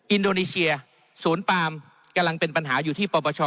อินโดนีเซียศูนย์ปามกำลังเป็นปัญหาอยู่ที่ปปช